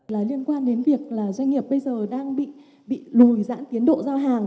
liên quan đến việc doanh nghiệp bây giờ đang bị lùi dãn tiến độ giao hàng